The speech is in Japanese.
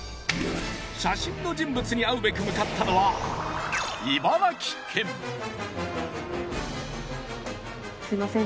写真の人物に会うべく向かったのはすいません。